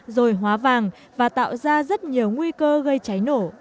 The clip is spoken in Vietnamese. rồi hóa vàng và tạo ra rất nhiều nguy cơ gây cháy nổ